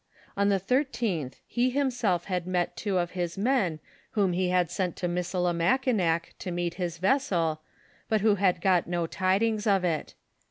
On the thirteenth, he himself had met two of his men whom he had sent to Missilimakinac to meet his vessel, but who had got no tidings of it.